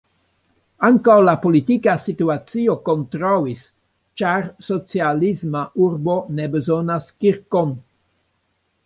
Ankaŭ la politika situacio kontraŭis, ĉar "socialisma urbo ne bezonus kirkon"!